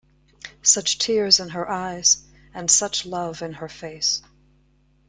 Such tears in her eyes, and such love in her face.